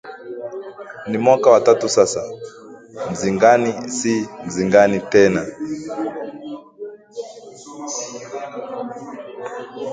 Ni mwaka wa tatu sasa, Mzingani si Mzingani tena